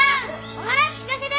お話聞かせて！